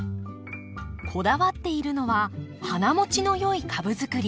こだわっているのは花もちのよい株づくり。